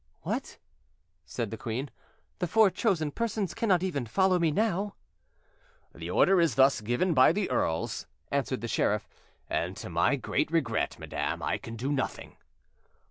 "What!" said the queen, "the four chosen persons cannot even follow me now?" "The order is thus given by the earls," answered the sheriff, "and, to my great regret, madam, I can do nothing."